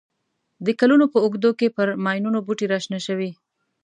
د کلونو په اوږدو کې پر ماینونو بوټي را شنه شوي.